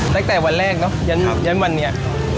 ตั้งแต่วันแรกเนอะยันวันนี้